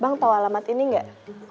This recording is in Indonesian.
bang tau alamat ini enggak